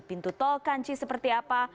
pintu tol kanci seperti apa